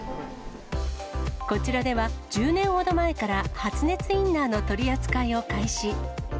こちらでは、１０年ほど前から発熱インナーの取り扱いを開始。